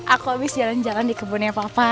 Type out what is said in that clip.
aku habis jalan jalan di kebunnya papa